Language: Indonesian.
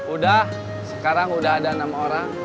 udah sekarang udah ada enam orang